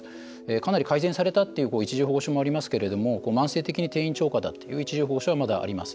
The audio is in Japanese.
かなり改善されたっていう一時保護所もありますけれど慢性的に定員超過だという一時保護所は、まだあります。